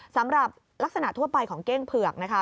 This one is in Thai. สำหรับลักษณะทั่วไปของเก้งเผือกนะคะ